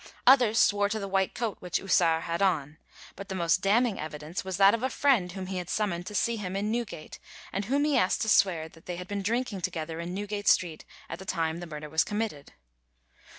Others swore to the white coat which Houssart had on; but the most damning evidence was that of a friend whom he had summoned to see him in Newgate, and whom he asked to swear that they had been drinking together in Newgate Street at the time the murder was committed.